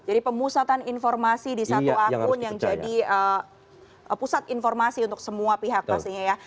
jadi pemusatan informasi di satu akun yang jadi pusat informasi untuk semua pihak pastinya ya